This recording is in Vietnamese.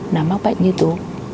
là mắc bệnh như tú